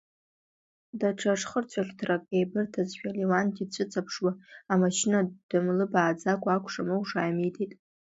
Даҽа шхырцәаӷьҭрак еибырҭазшәа, Леуанти дцәыҵаԥшуа, амашьына дымлыбааӡакәа, акәша-мыкәша ааимидеит.